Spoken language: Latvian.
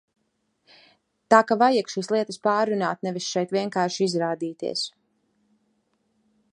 Tā ka vajag šīs lietas pārrunāt, nevis šeit vienkārši izrādīties.